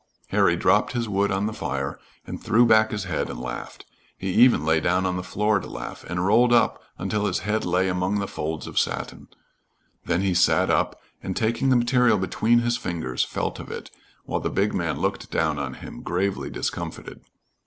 Harry dropped his wood on the fire and threw back his head and laughed. He even lay down on the floor to laugh, and rolled about until his head lay among the folds of satin. Then he sat up, and taking the material between his fingers felt of it, while the big man looked down on him, gravely discomfited.